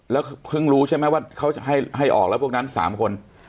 แล้วเพิ่งรู้ใช่ไหมว่าเขาให้ออกแล้วพวกนั้น๓คน